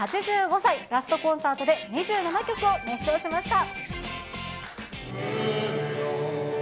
８５歳、ラストコンサートで２７曲を熱唱しました。